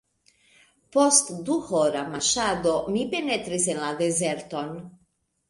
Post duhora marŝado, mi penetris en la dezerton.